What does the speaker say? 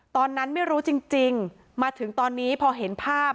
ตอนนั้นไม่รู้จริงมาถึงตอนนี้พอเห็นภาพ